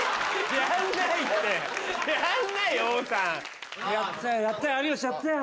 やったよ！